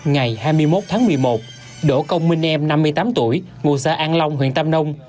ngày hai mươi một tháng một mươi một đỗ công minh em năm mươi tám tuổi ngụ xã an long huyện tam nông